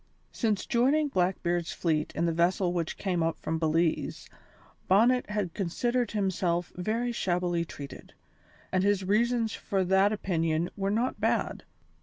Since joining Blackbeard's fleet in the vessel which came up from Belize, Bonnet had considered himself very shabbily treated, and his reasons for that opinion were not bad.